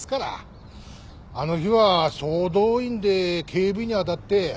あの日は総動員で警備に当たって。